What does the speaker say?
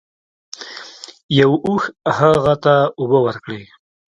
یو اوښ هغه ته اوبه ورکړې.